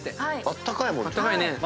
あったかいもん。